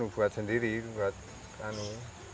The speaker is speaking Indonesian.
buat sendiri buat tanaman